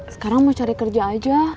sekarang mau cari kerja aja